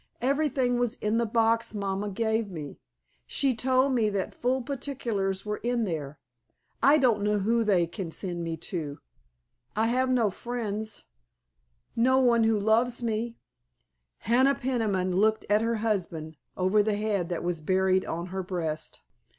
"Everything was in the box Mama gave me. She told me that full particulars were in there. I don't know who they can send me to—I have no friends—no one who loves me——" Hannah Peniman looked at her husband over the head that was buried on her breast.